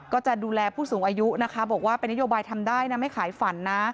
ก็จะดูแลผู้สูงอายุนะคะบอกว่าเป็นนโยบายทำได้นะไม่ขายฝันนะ